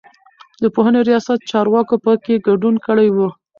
د پوهنې رياست چارواکو په کې ګډون کړی و.